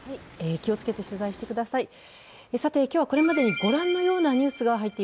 気をつけて取材してください。